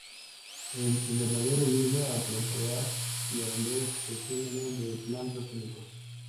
El invernadero ayuda a propagar y a vender especímenes de plantas únicos.